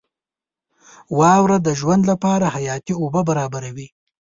• واوره د ژوند لپاره حیاتي اوبه برابروي.